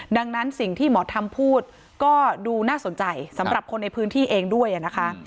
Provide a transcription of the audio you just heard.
ดังนั้นสิ่งที่หมอทำพูดก็ดูน่าสนใจสำหรับคนในพื้นที่เองด้วยนะคะ